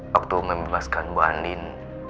waktu membebaskan bu andin